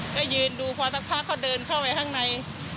ก็ยืนดูพอสักพักเขาเดินเข้าไปข้างใน